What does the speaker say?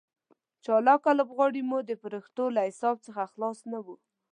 چالاکه لوبغاړي مو د فرښتو له حساب څخه خلاص نه وو.